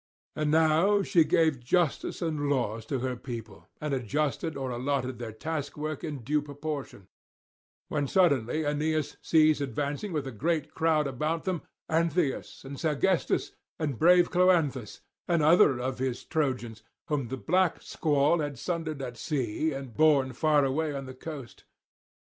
And now she gave justice and laws to her people, and adjusted or allotted their taskwork in due portion; when suddenly Aeneas sees advancing with a great crowd about them Antheus and Sergestus and brave Cloanthus, and other of his Trojans, whom the black squall had sundered at sea and borne far away on the coast.